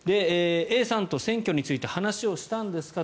Ａさんと選挙について話をしたんですか？